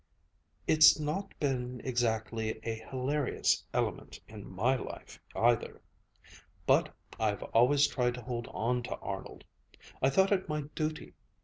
"It's not been exactly a hilarious element in my life either. But I've always tried to hold on to Arnold. I thought it my duty.